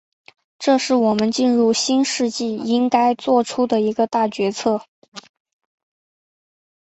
这是我们进入新世纪应该作出的一个大决策。